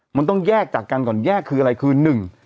มันต้องแยกจากกันก่อนแยกคืออะไรคือหนึ่ง